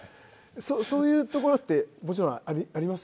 そういうところってもちろんありますよね？